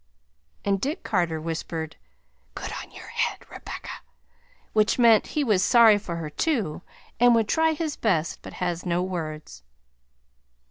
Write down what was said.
And Dick Carter whispered, "GOOD ON YOUR HEAD, REBECCA!" which mean he was sorry for her too, and would try his best, but has no words.